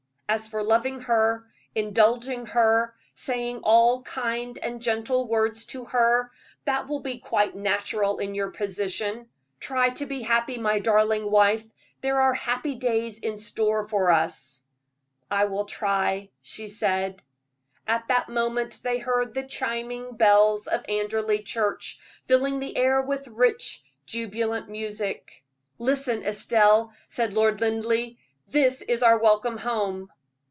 As for loving her, indulging her, saying all kind and gentle words to her, that will be quite natural in your position. Try to be happy, my darling wife; there are happy days in store for us." "I will try," she said. At that moment they heard the chiming bells of Anderley Church, filling the air with rich, jubilant music. "Listen, Estelle," said Lord Linleigh; "that is our welcome home."